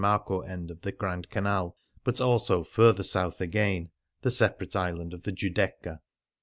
Marco end of the Grand Canal, but also, further south again, the separate island of the Giudecca.